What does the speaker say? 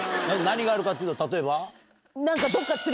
何があるかっていうと例えば？